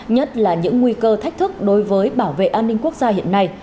nhất là những nguy cơ thách thức đối với bảo vệ an ninh quốc gia hiện nay